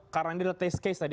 karena ini adalah test case tadi